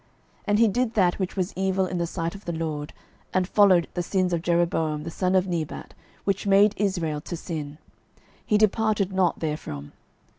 12:013:002 And he did that which was evil in the sight of the LORD, and followed the sins of Jeroboam the son of Nebat, which made Israel to sin; he departed not therefrom.